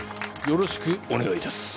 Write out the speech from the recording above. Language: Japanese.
よろしくお願いいたす。